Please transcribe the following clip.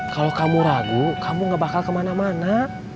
kalau kamu ragu kamu gak bakal kemana mana